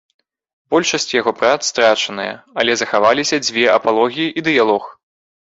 Большасць яго прац страчаныя, але захаваліся дзве апалогіі і дыялог.